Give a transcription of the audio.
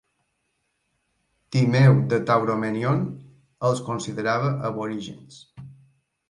Timeu de Tauromenion els considerava aborigens.